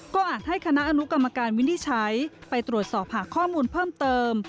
ก็อาจให้คณะอนุกรรมการวินิจฉัยไปตรวจสอบหาข้อมูลเพิ่มเติม